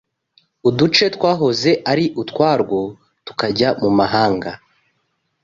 uduce twahoze ari utwarwo tukajya mu mahanga